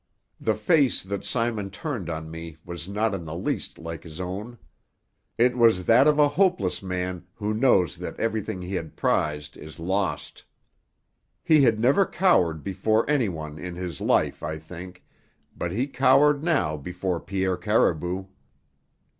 The face that Simon turned on me was not in the least like his own. It was that of a hopeless man who knows that everything he had prized is lost. He had never cowered before anyone in his life, I think, but he cowered now before Pierre Caribou.